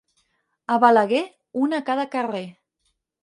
A Balaguer, una a cada carrer.